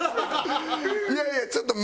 いやいやちょっとええー！